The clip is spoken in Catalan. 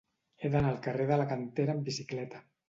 He d'anar al carrer de la Cantera amb bicicleta.